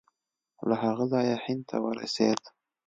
له هغه ځایه هند ته ورسېد.